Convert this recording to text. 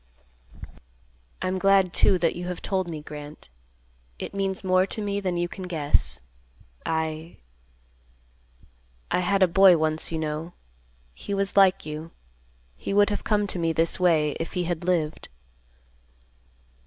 "I'm glad, too, that you have told me, Grant. It means more to me than you can guess. I—I had a boy once, you know. He was like you. He would have come to me this way, if he had lived."